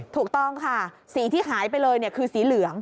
ถูกต้องค่ะสีที่หายไปเลยคือสีเหลือง